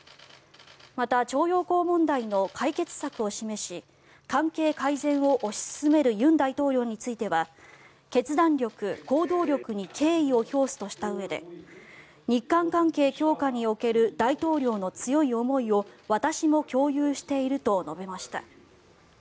また、徴用工問題の解決策を示し関係改善を推し進める尹大統領については決断力・行動力に敬意を表すとしたうえで日韓関係強化における大統領の強い思いを私も共有していると述べました。